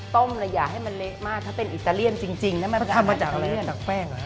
ต้มระยะให้มันเล็กมากถ้าเป็นอิตาเลียนจริงน่ะมันทำมาจากแป้ง